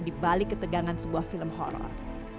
di balik ketegangan sebuah film horror